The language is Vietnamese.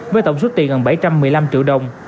với tổng số tiền gần bảy trăm một mươi năm triệu đồng